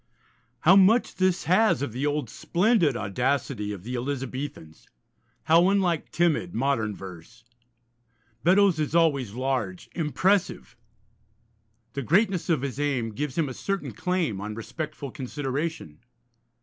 How much this has of the old, splendid audacity of the Elizabethans! How unlike timid modern verse! Beddoes is always large, impressive; the greatness of his aim gives him a certain claim on respectful consideration.